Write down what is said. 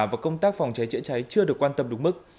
và công tác phòng cháy chữa cháy chưa được quan tâm đúng mức